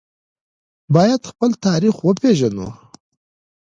باید خپل تاریخ وپیژنو